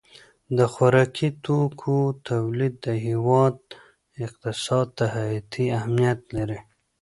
د خوراکي توکو تولید د هېواد اقتصاد ته حیاتي اهمیت لري.